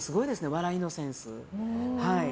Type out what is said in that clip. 笑いのセンス。